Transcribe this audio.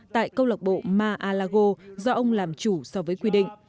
tại câu lọc bộ mar a lago do ông làm chủ so với quy định